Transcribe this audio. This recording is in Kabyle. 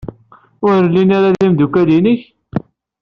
Ur llin ara d imeddukal-nnek?